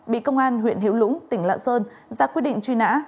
bị công an huyện hiểu lũng tỉnh lạng sơn ra quyết định truy nã